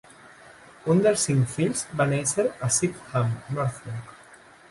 Un dels cinc fills va néixer a Shipdham, Norfolk.